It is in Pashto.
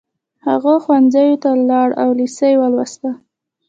هغه ښوونځي ته لاړ او لېسه يې ولوسته